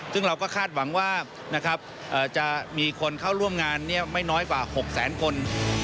ซึ่งเราก็คาดหวังว่าจะมีคนเข้าร่วมงานไม่น้อยกว่า๖แสนคน